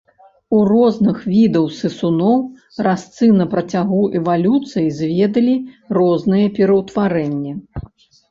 У розных відаў сысуноў разцы на працягу эвалюцыі зведалі розныя пераўтварэнні.